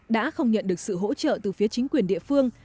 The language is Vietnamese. đã không nhận được sự hỗ trợ từ phía chính quyền địa phương